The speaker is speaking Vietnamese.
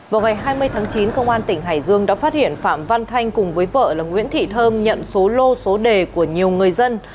vào ngày hai mươi tháng chín công an tỉnh hải dương đã phát hiện phạm văn thanh cùng với vợ là nguyễn thị thơm nhận số lô số đề của nhiều người dân